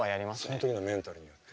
その時のメンタルによって。